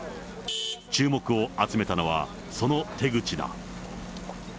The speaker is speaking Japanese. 注目を集めたのは、その手口だ。